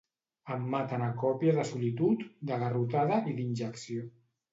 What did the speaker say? Em maten a còpia de solitud, de garrotada i d'injecció.